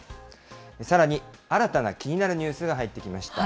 さらに新たな気になるニュースが入ってきました。